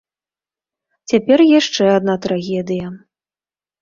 Цяпер яшчэ адна трагедыя.